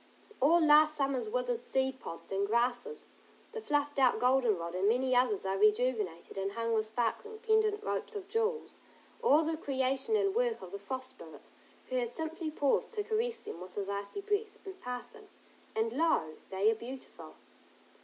All last summer's withered seed pods and grasses; the fluffed out goldenrod, and many others are rejuvenated and hung with sparkling, pendent ropes of jewels, all the creation and work of the Frost Spirit, who has simply paused to caress them with his icy breath, in passing, and lo, they are beautiful.